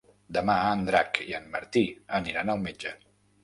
Demà en Drac i en Martí aniran al metge.